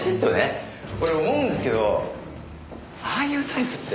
俺思うんですけどああいうタイプって。